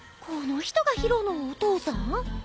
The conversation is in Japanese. この人が宙のお父さん？